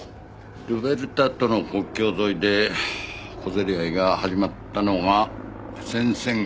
ルベルタとの国境沿いで小競り合いが始まったのが先々月。